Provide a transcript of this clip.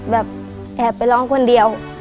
แบบแอบไปร้องคนเดียว